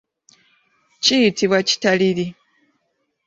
Kiyitibwa kitaliri.